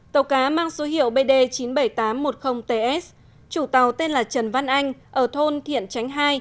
tàu cá mang số hiệu bd chín mươi bảy nghìn tám trăm một mươi ts chủ tàu tên là trần văn anh ở thôn thiện tránh hai